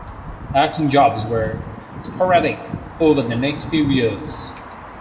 Acting jobs were sporadic over the next few years.